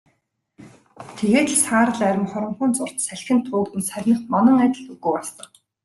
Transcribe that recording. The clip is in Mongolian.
Тэгээд л саарал арми хоромхон зуурт салхинд туугдан сарних манан адил үгүй болсон.